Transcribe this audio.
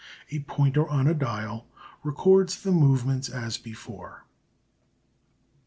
A pointer on a dial records the movements as before.